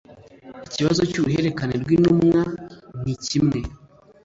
ikibazo cy'uruhererekane rw'intumwa ni kimwe